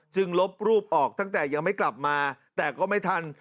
ลบรูปออกตั้งแต่ยังไม่กลับมาแต่ก็ไม่ทัน